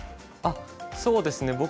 あっそうですね